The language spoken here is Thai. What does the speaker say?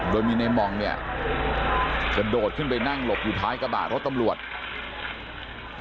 โดยมีในมองเนี่ยกระโดดขึ้นไปนั่งหลบอยู่ท้ายกระบะรถตำรวจ